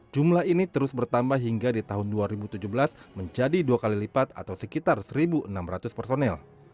jumlah ini terus bertambah hingga di tahun dua ribu tujuh belas menjadi dua kali lipat atau sekitar satu enam ratus personel